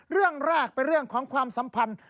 เรื่องแรกเป็นเรื่องของความสัมพันธ์